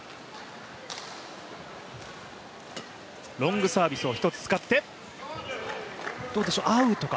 ロングサービスを一つ使ってアウトか。